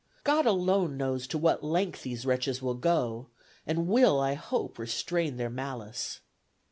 God alone knows to what length these wretches will go, and will, I hope, restrain their malice.